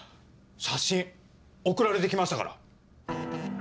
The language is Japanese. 写真送られて来ましたから。